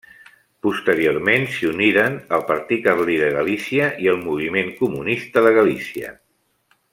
Posteriorment s'hi uniren el Partit Carlí de Galícia i el Moviment Comunista de Galícia.